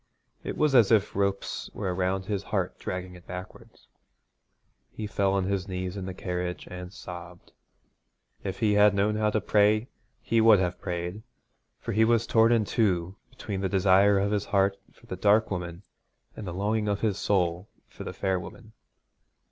It was as if ropes were around his heart dragging it backward. He fell on his knees in the carriage, and sobbed. If he had known how to pray he would have prayed, for he was torn in two between the desire of his heart for the dark woman, and the longing of his soul for the fair woman.